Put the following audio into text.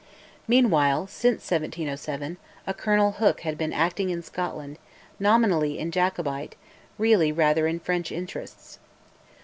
Meanwhile, since 1707, a Colonel Hooke had been acting in Scotland, nominally in Jacobite, really rather in French interests.